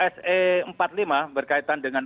se empat puluh lima berkaitan dengan